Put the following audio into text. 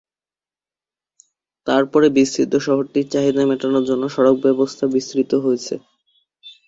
তারপরে বিস্তৃত শহরটির চাহিদা মেটানোর জন্য সড়ক ব্যবস্থা বিস্তৃত হয়েছে।